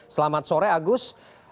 selamat sore agus